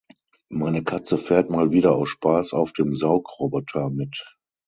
Meine Katze fährt mal wieder aus Spaß auf dem Saugroboter mit.